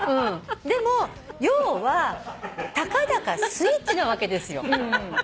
でも要はたかだかスイッチなわけですよ。